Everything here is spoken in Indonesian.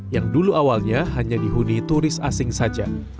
yang dulu awalnya hanya dihuni turis asing saja